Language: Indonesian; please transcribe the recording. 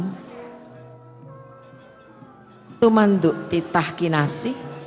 hai eighty manduk itah kinasi